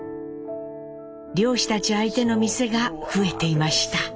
漁師たち相手の店が増えていました。